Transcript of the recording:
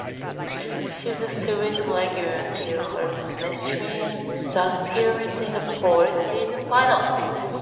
She is a series regular until her mysterious disappearance in the fourth season finale.